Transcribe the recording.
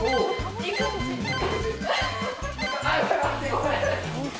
ごめん。